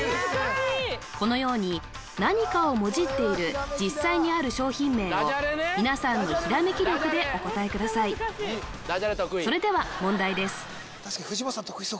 このように何かをもじっている実際にある商品名を皆さんの閃き力でお答えくださいそれでは問題です